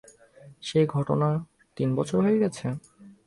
সেই ঘটনাটার তিনবছর হয়ে গেছে?